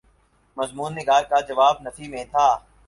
مضمون نگار کا جواب نفی میں تھا۔